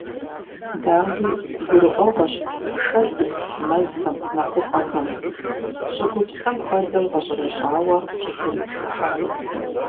Дауи, гурыӀуэгъуэщ шэдым мэзхэм, мэкъупӀэхэм, щӀыгупсхэм хуэдэу гъэщӀэрэщӀауэ щӀытемытхыхьари.